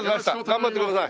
頑張ってください。